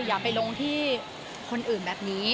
อย่าไปลงที่คนอื่นแบบนี้